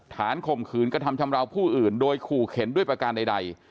ข่มขืนกระทำชำราวผู้อื่นโดยขู่เข็นด้วยประการใด